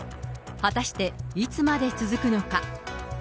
果たしていつまで続くのか。